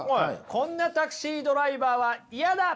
こんなタクシードライバーはイヤだ！